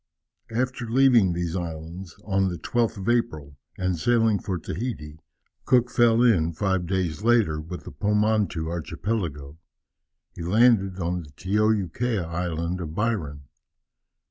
After leaving these islands, on the 12th of April, and sailing for Tahiti, Cook fell in, five days later, with the Pomotou archipelago. He landed on the Tioukea Island of Byron.